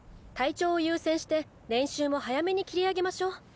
体調を優先して練習も早めに切り上げましょう。